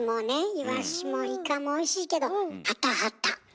イワシもイカもおいしいけどハタハタ！